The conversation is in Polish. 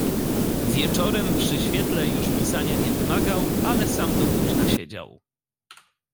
"Wieczorem, przy świetle, już pisania nie wymagał, ale sam do późna siedział."